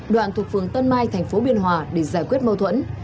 đoạn thuộc phường tân mai thành phố biên hòa để giải quyết mâu thuẫn